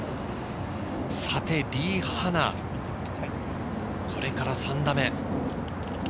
さて、リ・ハナ、これから３打目。